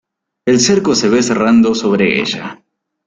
El cerco se va cerrando sobre ella.